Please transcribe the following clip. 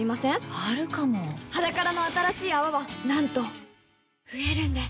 あるかも「ｈａｄａｋａｒａ」の新しい泡はなんと増えるんです